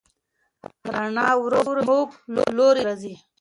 رڼا ورو ورو زموږ لوري ته راځي.